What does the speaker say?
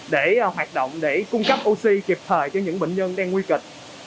để hoạt động để cung cấp oxy kịp thời cho những bệnh nhân đang nguy kịch